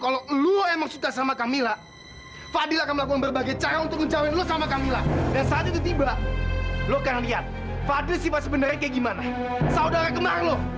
lo akan lihat sendiri nantinya